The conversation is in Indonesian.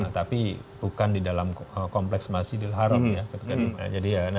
tapi bukan di dalam kompleks masjidil haram ya